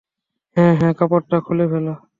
হ্যা, হ্যা, কাপড়টা খুলে ফেল।